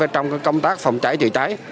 trong công tác phòng cháy chữa cháy